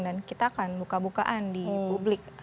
dan kita kan buka bukaan di publik